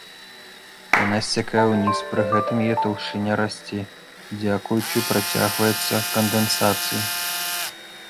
Яна сцякае ўніз, пры гэтым яе таўшчыня расце дзякуючы працягваецца кандэнсацыі.